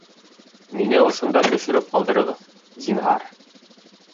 Мине ошонда төшөрөп ҡалдырығыҙ, зинһар